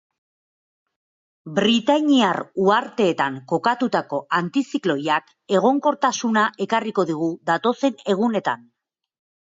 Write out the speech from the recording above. Britainiar uharteetan kokatutako antizikloiak egonkortasuna ekarriko digu datozen egunetan.